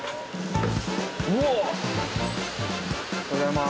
おはようございます。